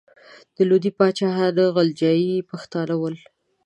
د لودي پاچاهان غلجي پښتانه ول.